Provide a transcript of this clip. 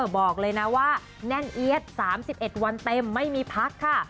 บอกเลยนะว่าแน่นเอี๊ยด๓๑วันเต็มไม่มีพักค่ะ